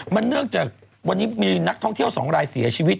มันเนื่องจากวันนี้มีนักท่องเที่ยว๒รายเสียชีวิต